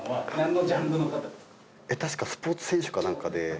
確かスポーツ選手かなんかで。